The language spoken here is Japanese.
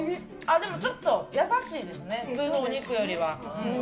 でも、ちょっと優しいですね普通のお肉よりは。